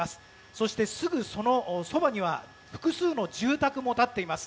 そして、すぐそのそばには複数の住宅も立っています。